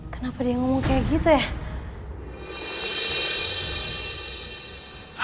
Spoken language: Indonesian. kenapa dia ngomong kayak gitu ya